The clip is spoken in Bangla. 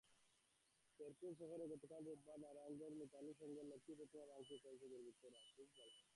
শেরপুর শহরে গতকাল রোববার নারায়ণপুর মিতালী সংঘের লক্ষ্মী প্রতিমা ভাঙচুর করেছে দুর্বৃত্তরা।